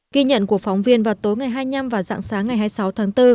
ghi nhận của phóng viên vào tối ngày hai mươi năm và dạng sáng ngày hai mươi sáu tháng bốn